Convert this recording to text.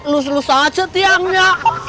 lus lus aja tiangnya